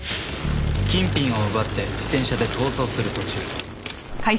金品を奪って自転車で逃走する途中。